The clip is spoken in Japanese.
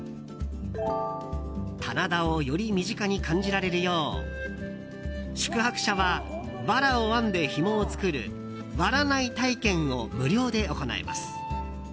棚田をより身近に感じられるよう宿泊者はわらを編んでひもを作るわら綯い体験を無料で行えます。